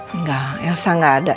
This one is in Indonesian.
enggak elsa enggak ada